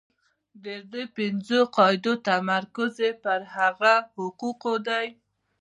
د دې پنځو قاعدو تمرکز پر هغو حقوقو دی.